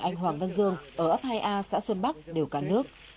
anh hoàng văn dương ở ấp hai a xã xuân bắc đều cả nước